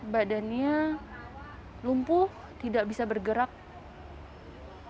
badannya lumpuh tidak bisa bergerak hai kakinya tangan kirinya badannya jadi yang masih bisa